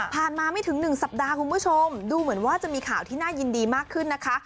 มาไม่ถึง๑สัปดาห์คุณผู้ชมดูเหมือนว่าจะมีข่าวที่น่ายินดีมากขึ้นนะคะ